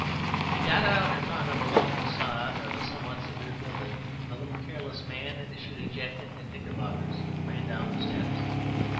He got out in front of a long facade of a somewhat severe building, and a little careless man in a shooting jacket and knickerbockers ran down the steps.